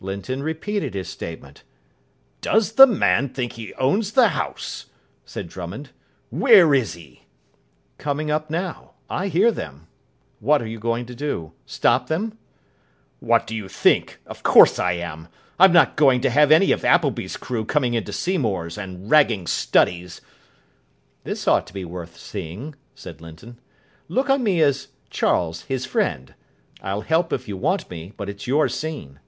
Linton repeated his statement. "Does the man think he owns the house?" said Drummond. "Where is he?" "Coming up now. I hear them. What are you going to do? Stop them?" "What do you think? Of course I am. I'm not going to have any of Appleby's crew coming into Seymour's and ragging studies." "This ought to be worth seeing," said Linton. "Look on me as 'Charles, his friend'. I'll help if you want me, but it's your scene."